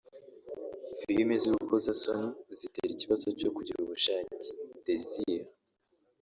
Filimi z’urukozasoni zitera ikibazo cyo kugira ubushake(désir)